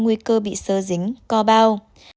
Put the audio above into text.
nguy cơ bị sơ dính co bao